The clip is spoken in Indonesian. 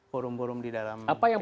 forum forum di dalam apa yang